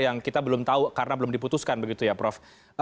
yang kita belum tahu karena belum diputuskan begitu ya prof